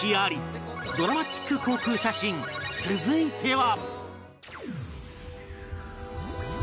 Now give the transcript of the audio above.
ドラマチック航空写真続いては